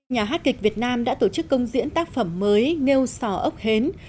nhà hát kịch việt nam đã tổ chức công diễn tác phẩm mới ngâu sò ốc hến